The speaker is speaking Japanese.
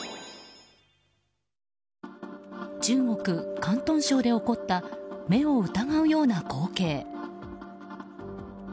中国・広東省で起こった目を疑うような光景。